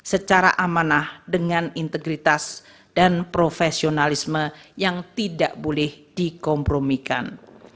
secara amanah dengan integritas dan profesionalisme yang tidak boleh dikompromikan